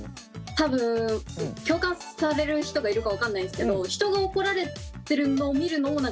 多分共感される人がいるか分かんないんですけど分かる。